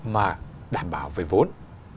mà đảm bảo về vốn